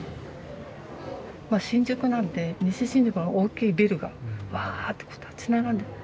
まあ新宿なんで西新宿の大きいビルがわってこう立ち並んで。